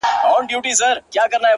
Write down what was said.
چي در رسېږم نه _ نو څه وکړم ه ياره _